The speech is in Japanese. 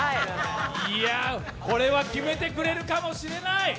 これは決めてくれるかもしれない！